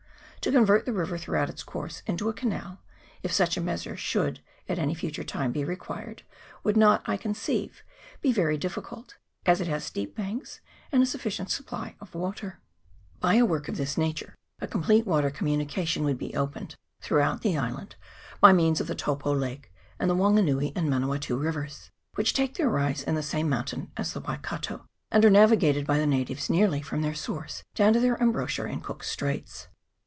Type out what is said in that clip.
To convert the river throughout its course into a canal, if such a measure should at any future time be re quired, would not, I conceive, be very difficult, as it has steep banks and a sufficient supply of water. CHAP. XXIV.] LAKE TAUPO. 335 By a work of this nature a complete water commu nication would be opened throughout the island by means of the Taupo Lake and the Wanganui and Manawatu rivers, which take their rise in the same mountain as the Waikato, and are navigated by the natives nearly from their source down to their embouchure in Cook's Straits.